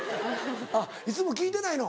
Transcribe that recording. いつも聞いてないの？